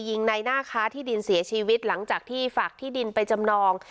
ยิงในหน้าค้าที่ดินเสียชีวิตหลังจากที่ฝากที่ดินไปจำนอง